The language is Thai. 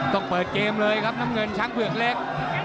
ต้องเปิดเกมเลยครับน้ำเงินช้างเผือกเล็ก